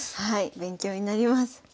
はい勉強になります。